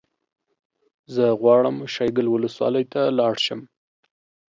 زه غواړم شیګل ولسوالۍ ته لاړ شم